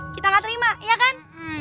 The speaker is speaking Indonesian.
kita gak terima ya kan